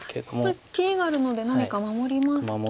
これ切りがあるので何か守りますと。